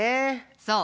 そう。